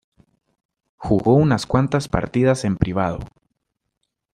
Jugó unas cuantas partidas en privado.